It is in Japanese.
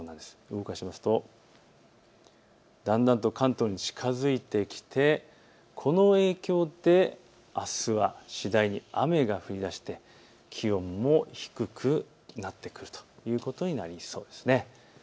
動かしますとだんだんと関東に近づいてきてこの影響であすは次第に雨が降りだして気温も低くなってくるということになりそうです。